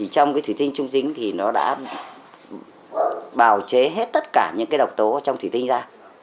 trong cái thủy tinh trung tính thì nó đã bào chế hết tất cả những cái độc tố trong thủy tinh ra